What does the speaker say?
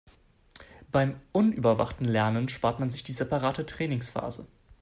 Beim unüberwachten Lernen spart man sich die separate Trainingsphase.